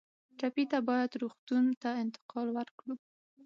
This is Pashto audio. ټپي ته باید روغتون ته انتقال ورکړو.